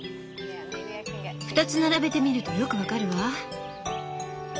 ２つ並べてみるとよく分かるわ。